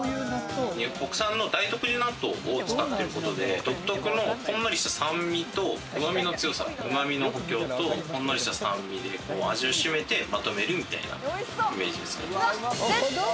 国産の大徳寺納豆を使っていることで独特のふんわりした酸味とうま味の強さ、旨味の補強とほんのりした酸味で味をしめてまとめるみたいなイメージですかね。